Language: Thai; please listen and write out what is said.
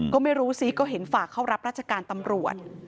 ก็ไม่รู้สิก็เห็นฝากเข้ารับราชการตำรวจ